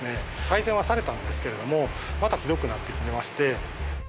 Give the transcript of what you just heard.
改善はされたんですけれどもまたひどくなってきてまして。